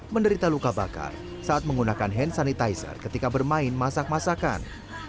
menderita luka bakar saat menggunakan hand sanitizer ketika bermain masak masakan